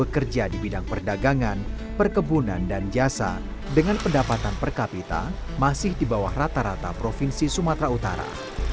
kepala kabupaten perkapita masih di bawah rata rata provinsi sumatera utara